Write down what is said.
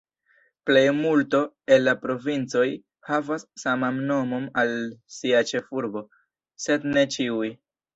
Plejmulto el la provincoj havas saman nomon al sia ĉefurbo, sed ne ĉiuj.